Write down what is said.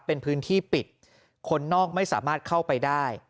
เป็นพื้นที่ปิดคนนอกไม่สามารถเข้าไปได้